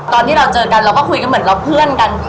ตอนที่เราเจอกันเราก็คุยกันเหมือนเราเพื่อนกัน